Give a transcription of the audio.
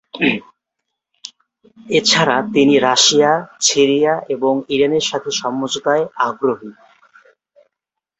এছাড়া তিনি Russia, Syria এবং ইরানের সাথে সমঝোতায় আগ্রহী।